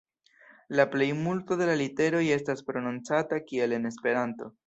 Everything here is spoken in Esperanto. La plejmulto de la literoj estas prononcata kiel en Esperanto.